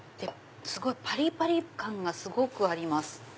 パリパリ感がすごくあります。